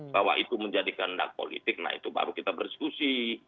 bahwa itu menjadi kehendak politik nah itu baru kita berdiskusi